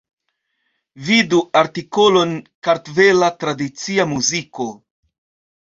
Vidu artikolon Kartvela tradicia muziko.